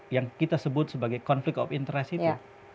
yang kita sebut sebagai konflik of interest itu